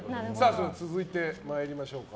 続いて、参りましょうか。